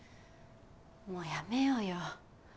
もうやめようよ。